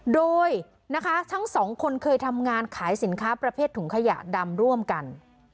โดยนะคะทั้งสองคนเคยทำงานขายสินค้าประเภทถุงขยะดำร่วมกัน